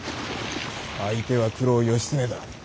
相手は九郎義経だ。